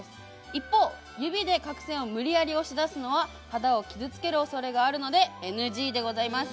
一方、指で角栓を無理やり押し出すのは肌を傷つけるおそれがあるのでＮＧでございます。